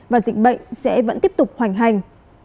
và dịch bệnh sẽ vẫn tiếp tục hoành hành